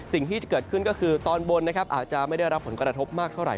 สิ่งที่จะเกิดขึ้นก็คือตอนบนนะครับอาจจะไม่ได้รับผลกระทบมากเท่าไห